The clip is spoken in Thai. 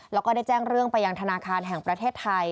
แล้วก็ได้แจ้งเรื่องไปยังธนาคารแห่งประเทศไทย